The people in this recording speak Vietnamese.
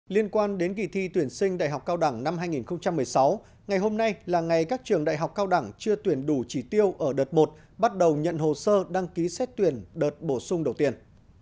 liên quan đến kỳ thi tuyển sinh đại học cao đẳng năm hai nghìn một mươi sáu ngày hôm nay là ngày các trường đại học cao đẳng chưa tuyển đủ chỉ tiêu ở đợt một bắt đầu nhận hồ sơ đăng ký xét tuyển đợt bổ sung đầu tiên